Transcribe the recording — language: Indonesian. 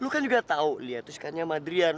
kamu juga tahu lia suka dengan adrian